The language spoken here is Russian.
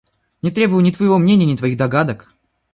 Не требую ни твоего мнения, ни твоих догадок.